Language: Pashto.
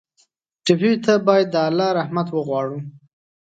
ټپي ته باید د الله رحمت وغواړو.